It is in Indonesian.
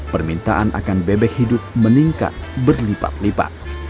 permintaan akan bebek hidup meningkat berlipat lipat